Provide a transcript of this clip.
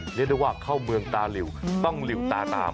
เรียกได้ว่าเข้าเมืองตาหลิวต้องหลิวตาตาม